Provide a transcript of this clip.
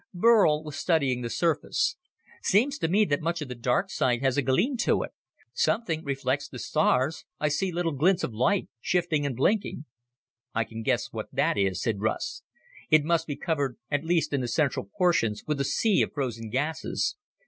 Burl was studying the surface. "Seems to me that much of the dark side has a gleam to it. Something reflects the stars; I see little glints of light, shifting and blinking." "I can guess what that is," said Russ. "It must be covered, at least in the central portions, with a sea of frozen gases.